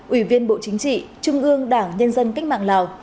ủy viên bộ chính trị trung ương đảng nhân dân cách mạng lào